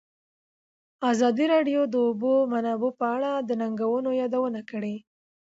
ازادي راډیو د د اوبو منابع په اړه د ننګونو یادونه کړې.